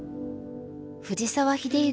藤沢秀行